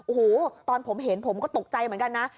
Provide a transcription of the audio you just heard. โอ้โหตอนผมเห็นผมก็ตกใจเหมือนกันนะ